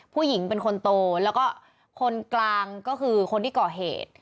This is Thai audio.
ผู้หญิงเป็นคนโตแล้วก็คนกลางก็คือคนที่ก่อเหตุ